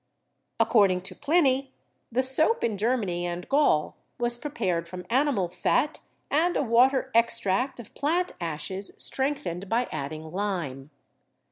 According to Pliny, the soap in Germany and Gaul was prepared from animal fat and a water ex tract of plant ashes strengthened by adding lime.